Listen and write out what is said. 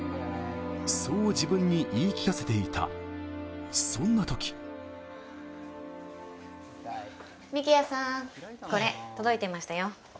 そう自分に言い聞かせていた、そんなとき幹也さん、これ、届いていましたよ。